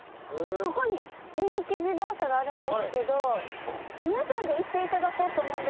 ここに電気自動車があるんですけど皆さんで行っていただこうと思うんですけど。